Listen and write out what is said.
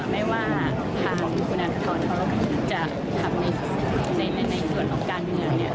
ไม่ว่าทางคุณธนทรจะทำในส่วนของการเมืองเนี่ย